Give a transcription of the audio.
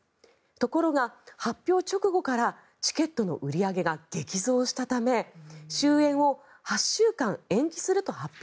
ところが発表直後からチケットの売り上げが激増したため終演を８週間延期すると発表。